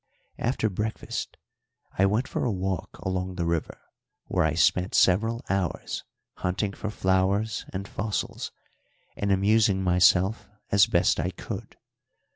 After breakfast I went for a walk along the river, where I spent several hours hunting for flowers and fossils, and amusing myself as best I could.